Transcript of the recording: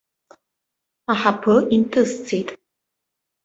Аҳаԥы инҭысцеит.